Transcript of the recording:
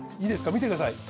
見てください。